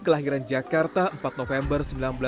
kelahiran jakarta empat november